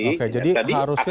oke jadi harusnya